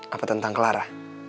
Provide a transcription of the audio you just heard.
apa tentang clara